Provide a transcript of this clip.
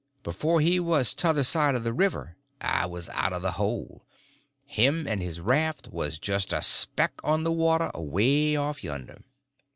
Before he was t'other side of the river I was out of the hole; him and his raft was just a speck on the water away off yonder.